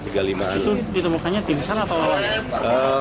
itu ditemukannya tim sar atau